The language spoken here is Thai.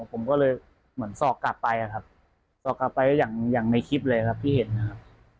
ผมก็เลยเหมือนสอกกลับไปครับสอกกลับไปอย่างในคลิปเลยครับที่เห็นนะครับ